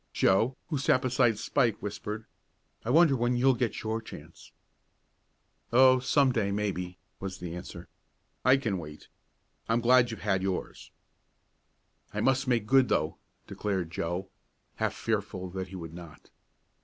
Joe, who sat beside Spike, whispered: "I wonder when you'll get your chance?" "Oh, some day, maybe," was the answer. "I can wait. I'm glad you've had yours." "I must make good, though," declared Joe, half fearful that he would not.